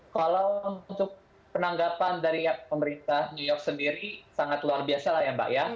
kalau untuk penanggapan dari pemerintah new york sendiri sangat luar biasa lah ya mbak ya